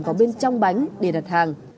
có bên trong bánh để đặt hàng